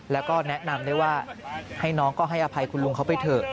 แล้วก็แนะนำได้ว่าให้น้องก็ให้อภัยคุณลุงเขาไปเถอะ